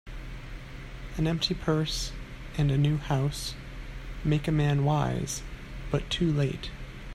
An empty purse, and a new house, make a man wise, but too late.